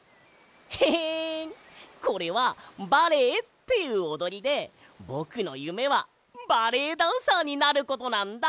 ヘヘンこれはバレエっていうおどりでぼくのゆめはバレエダンサーになることなんだ！